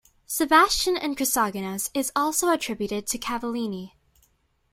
Sebastian and Chrysogonos, is also attributed to Cavallini.